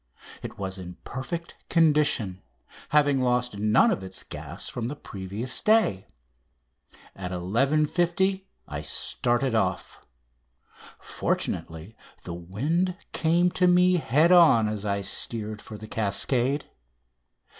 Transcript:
It was in perfect condition, having lost none of its gas from the previous day. At 11.50 I started off. Fortunately, the wind came to me head on as I steered for "The Cascade."